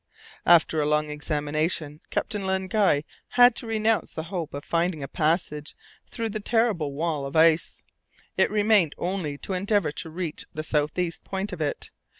After a long examination Captain Len Guy had to renounce the hope of finding a passage through the terrible wall of ice. It remained only to endeavour to reach the south east point of it.